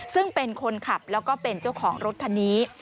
ซึ่งเป็นคนขับแล้วก็เป็นเจ้าของรถคันนี้